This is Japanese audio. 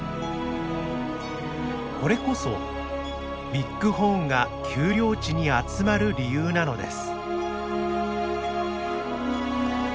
これこそビッグホーンが丘陵地に集まる理由なのです。